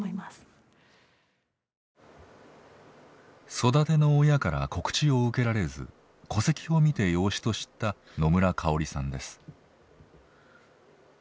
育ての親から告知を受けられず戸籍を見て養子と知った野村香織さんです。